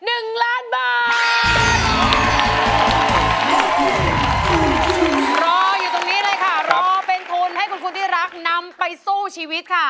รออยู่ตรงนี้เลยค่ะรอเป็นทุนให้คุณคุณที่รักนำไปสู้ชีวิตค่ะ